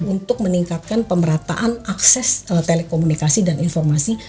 untuk meningkatkan pemerataan akses telekomunikasi dan informasi